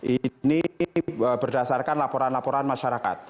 ini berdasarkan laporan laporan masyarakat